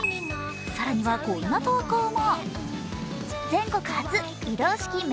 更にはこんな投稿も。